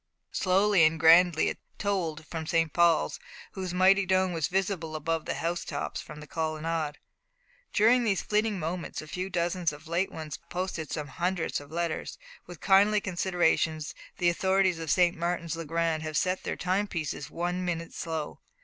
Slowly and grandly it tolled from St. Paul's, whose mighty dome was visible above the house tops from the colonnade. During these fleeting moments a few dozens of late ones posted some hundreds of letters. With kindly consideration the authorities of St. Martin's le Grand have set their timepieces one minute slow.